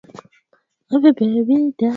yao kupinga wakati wa mating na labda